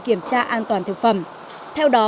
kiểm tra an toàn thực phẩm theo đó